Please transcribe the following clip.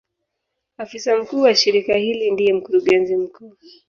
Afisa mkuu wa shirika hili ndiye Mkurugenzi mkuu.